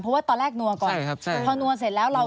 เพราะคุณเอ๋นกับคุณบีเข้าห้องแล้ว